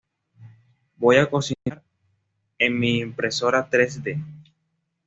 Voy a cocinar en mi impresora tres de